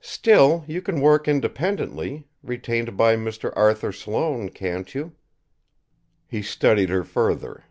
"Still, you can work independently retained by Mr. Arthur Sloane can't you?" He studied her further.